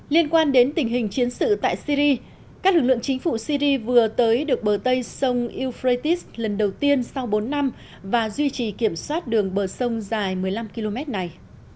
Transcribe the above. liên quan đến tình hình chiến sự tại syri các lực lượng chính phủ syri vừa tới được bờ tây sông ufratis lần đầu tiên sau bốn năm và duy trì kiểm soát đường bờ sông dài một mươi năm km này